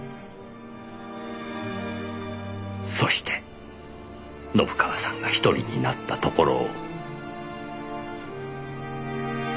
そして信川さんが１人になったところを。